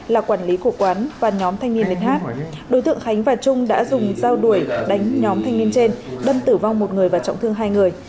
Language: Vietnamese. là quản lý của quán và nhóm thanh niên lên hát đối tượng khánh và trung đã dùng dao đuổi đánh nhóm thanh niên trên đâm tử vong một người và trọng thương hai người